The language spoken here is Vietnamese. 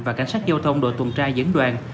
và cảnh sát giao thông đội tuần tra dẫn đoàn